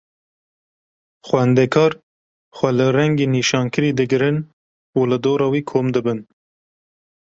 Xwendekar xwe li rengê nîşankirî digirin û li dora wî kom dibin.